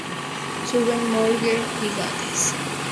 Suben Moguer y Gades.